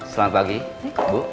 selamat pagi bu